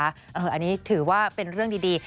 อันนี้ถือว่าเป็นเรื่องดี